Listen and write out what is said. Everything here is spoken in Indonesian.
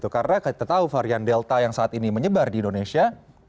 karena kita tahu varian delta yang saat ini menyebar di indonesia